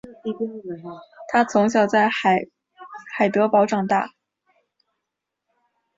他从小在海德堡长大。